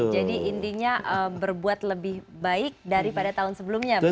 jadi intinya berbuat lebih baik daripada tahun sebelumnya begitu ya